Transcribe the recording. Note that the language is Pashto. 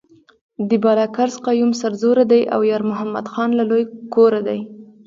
د بالاکرز قیوم سرزوره دی او یارمحمد خان له لوی کوره دی.